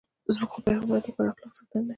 زموږ خوږ پیغمبر د غوره اخلاقو څښتن دی.